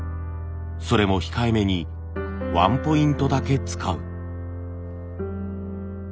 それも控えめにワンポイントだけ使う。